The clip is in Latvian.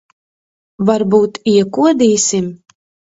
Varbūt iekodīsim?